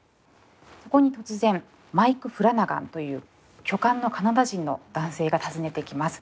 そこに突然マイク・フラナガンという巨漢のカナダ人の男性が訪ねてきます。